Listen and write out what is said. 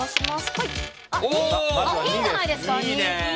いいじゃないですか、２。